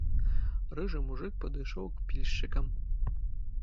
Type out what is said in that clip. Рыжы мужык падышоў к пільшчыкам.